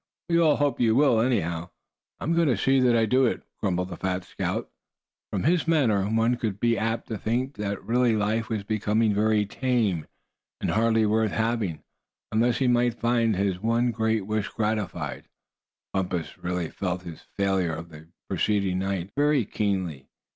We all hope you will, anyhow." "I'm going to see to it that I do," grumbled the fat scout; and from his manner one would be apt to think that really life was becoming very tame, and hardly worth having, unless he might find his one great wish gratified. Bumpus really felt his failure of the preceding night very keenly.